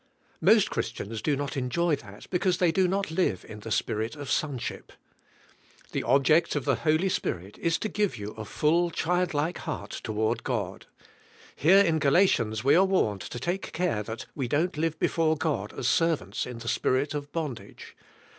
Most Christians do not enjo}^ that because they do not live in the spirit of son ship. The object of the Holy Spirit is to give you a full child like heart toward God, Here in Gala tians we are warned to take care that we don't live before God as servants in the spirit of bondage.